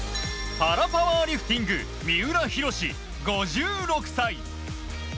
パラパワーリフティング三浦浩、５６歳。